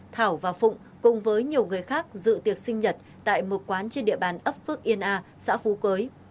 thảo và phụng cùng với nhiều người khác dự tiệc sinh nhật tại một quán trên địa bàn ấp phước yên a xã phú cưới